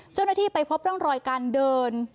เจ้าหน้าที่ไปพบร่องรอยการเดิน